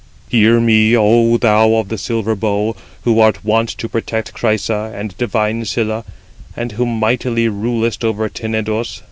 "Hear me, O thou of the silver bow, who art wont to protect Chrysa and divine Cilla, and who mightily rulest over Tenedos!